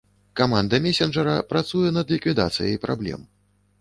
Каманда месенджара працуе над ліквідацыяй праблем.